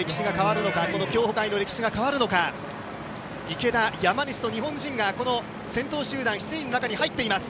池田、山西と日本人が先頭集団７人の中に入っています。